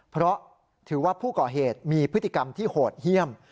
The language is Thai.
เพราะถือว่าผู้ก่อเหตุมีพฤติกรรมที่โหดเยี่ยม